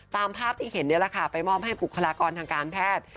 ตามภาพที่เห็นนี่แหละค่ะไปมอบให้บุคลากรทางการแพทย์